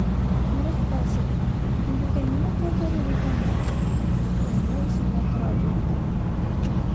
Мираҫҡа, әсәй, һин беҙгә нимә ҡалдырыр икәнһең? - тип уйынлы-ысынлы һорау бирҙе.